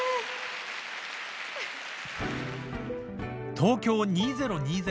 東京２０２０